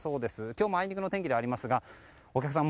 今日もあいにくの天気ではありますがお客さん